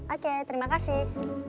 oke terima kasih